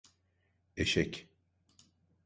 Eşek!